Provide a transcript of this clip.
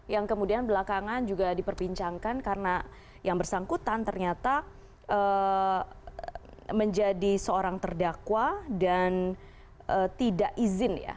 yang kemudian belakangan juga diperbincangkan karena yang bersangkutan ternyata menjadi seorang terdakwa dan tidak izin ya